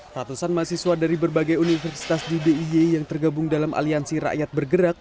ratusan mahasiswa dari berbagai universitas di d i y yang tergabung dalam aliansi rakyat bergerak